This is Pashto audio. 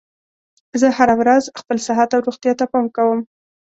زه هره ورځ خپل صحت او روغتیا ته پام کوم